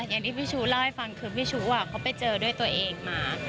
อย่างที่พี่ชู้เล่าให้ฟังคือพี่ชู้เขาไปเจอด้วยตัวเองมา